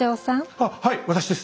あはい私です。